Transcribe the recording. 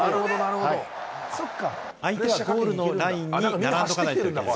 相手はゴールラインに並んでなければいけない。